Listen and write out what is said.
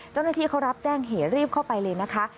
เจ้าหน้าที่เขารับแจ้งเหตุรีบเข้าไปเลยนะคะ